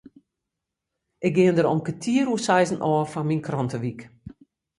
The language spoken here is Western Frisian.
Ik gean der om kertier oer seizen ôf foar myn krantewyk.